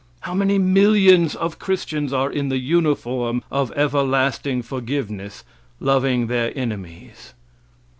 How many millions of Christians are in the uniform of everlasting forgiveness, loving their enemies?